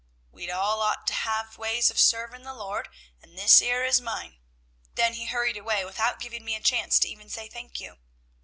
We all d'ought to have ways of sarving the Lord, and this 'ere is mine.' Then he hurried away, without giving me a chance to even say 'Thank you.'